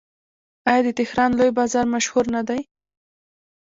آیا د تهران لوی بازار مشهور نه دی؟